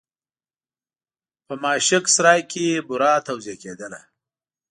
په ماشک سرای کې بوره توزېع کېدله.